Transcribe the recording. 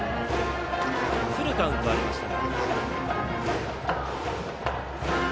フルカウントはありましたが。